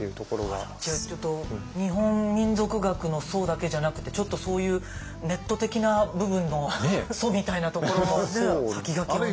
じゃあちょっと日本民俗学の祖だけじゃなくてちょっとそういうネット的な部分の祖みたいなところの先駆けはね。